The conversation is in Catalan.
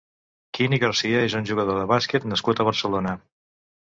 Quini García és un jugador de bàsquet nascut a Barcelona.